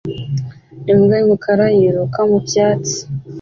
Imbwa y'umukara yiruka mu byatsi